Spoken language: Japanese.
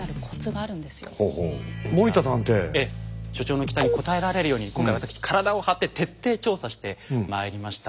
所長の期待に応えられるように今回私体を張って徹底調査してまいりました。